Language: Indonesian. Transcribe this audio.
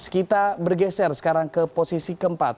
kita bergeser sekarang ke posisi keempat